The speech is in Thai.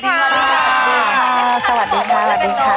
สวัสดีค่ะ